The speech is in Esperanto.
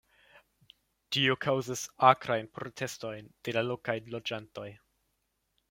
Tio kaŭzis akrajn protestojn de la lokaj loĝantoj.